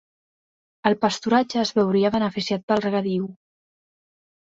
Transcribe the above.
El pasturatge es veuria beneficiat pel regadiu.